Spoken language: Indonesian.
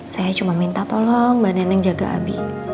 saya cuma minta tolong mbak neneng jaga abi